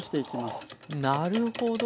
なるほど！